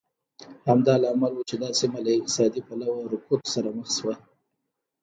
همدا لامل و چې دا سیمه له اقتصادي پلوه رکود سره مخ شوه.